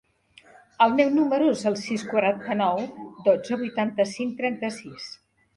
El meu número es el sis, quaranta-nou, dotze, vuitanta-cinc, trenta-sis.